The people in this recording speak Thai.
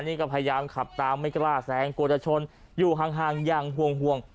นี่ก็พยายามขับตามไม่กล้าแซงกลัวจะชนอยู่ห่างอย่างห่วง